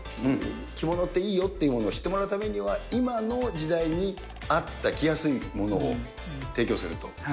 着物っていいよということを知ってもらうためには、今の時代にあった着やすいものを提供すると。